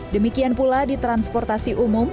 demikian pula di transportasi umum